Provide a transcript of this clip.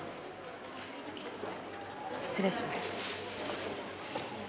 失礼します。